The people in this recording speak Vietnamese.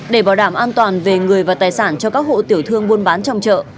để bảo đảm an toàn về người và tài sản cho các hộ tiểu thương buôn bán trong chợ